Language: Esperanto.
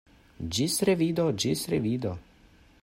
Ĝis revido; ĝis revido!